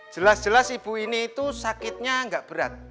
jelas jelas ibu ini sakitnya enggak berat